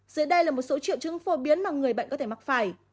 dưới đây là một số triệu chứng phổ biến mà người bệnh có thể mắc phải